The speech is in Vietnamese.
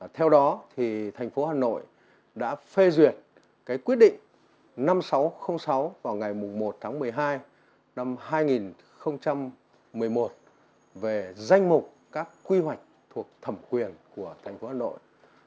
theo đó thành phố hà nội đã phê duyệt quyết định năm nghìn sáu trăm linh sáu vào ngày một tháng một mươi hai năm hai nghìn một mươi một về danh mục các quy hoạch thuộc thẩm quyền của thành phố hà nội